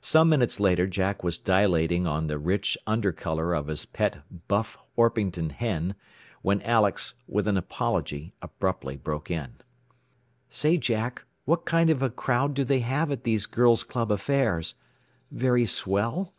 Some minutes later Jack was dilating on the rich under color of his pet Buff Orpington hen, when Alex, with an apology, abruptly broke in. "Say, Jack, what kind of a crowd do they have at these Girls' Club affairs? Very swell?"